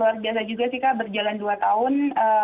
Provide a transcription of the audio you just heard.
luar biasa juga sih kak berjalan dua tahun